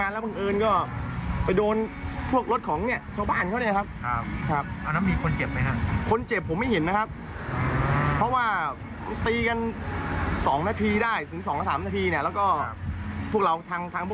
แล้วก็พวกเราทางพวกร้านผมมาโทรหาตำรวจพักหนึ่ง